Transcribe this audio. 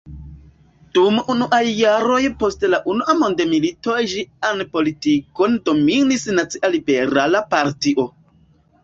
Dum unuaj jaroj post la unua mondmilito ĝian politikon dominis Nacia Liberala Partio.